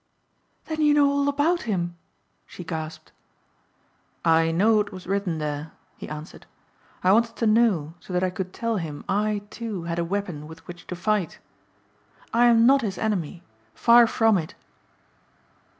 "Then you know all about him?" she gasped. "I know what was written there," he answered. "I wanted to know so that I could tell him I, too, had a weapon with which to fight. I am not his enemy, far from it."